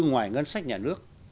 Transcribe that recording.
ngoài ngân sách nhà nước